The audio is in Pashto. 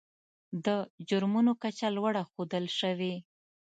د جرمونو کچه لوړه ښودل شوې.